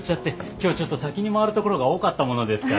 今日ちょっと先に回る所が多かったものですから。